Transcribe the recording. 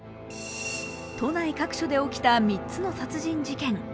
都内各所で起きた３つの殺人事件。